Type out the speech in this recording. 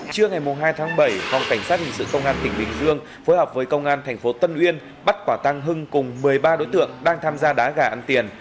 trưa ngày hai tháng bảy phòng cảnh sát hình sự công an tỉnh bình dương phối hợp với công an tp tân uyên bắt quả tăng hưng cùng một mươi ba đối tượng đang tham gia đá gà ăn tiền